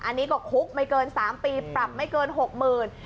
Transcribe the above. อันนี้ก็คุกไม่เกินสามปีปรับไม่เกินหกหมื่น